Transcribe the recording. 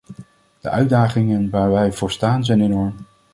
De uitdagingen waar wij voor staan, zijn enorm.